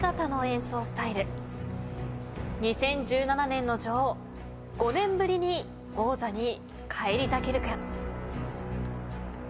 ２０１７年の女王５年ぶりに王座に返り咲けるか。